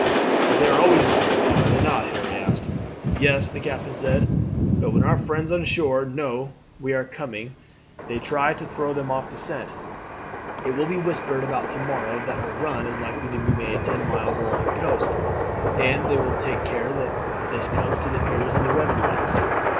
"' "But they are always on the look out, are they not?" Harry asked. "Yes," the captain said; "but when our friends on shore know we are coming they try to throw them off the scent. It will be whispered about to morrow that a run is likely to be made ten miles along the coast, and they will take care that this comes to the ears of the revenue officer.